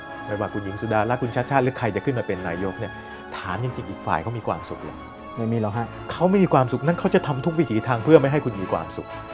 ไม่ว่าคุณหญิงสุดารักคุณชาติชาติหรือใครจะขึ้นมาเป็นนายกเนี่ยถามจริงอีกฝ่ายเขามีความสุขเหรอไม่มีหรอกฮะเขาไม่มีความสุขนั้นเขาจะทำทุกวิถีทางเพื่อไม่ให้คุณมีความสุข